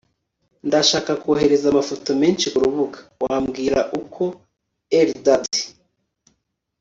ndashaka kohereza amafoto menshi kurubuga. wambwira uko? (eldad